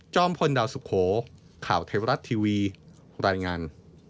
พลดาวสุโขข่าวเทวรัฐทีวีรายงาน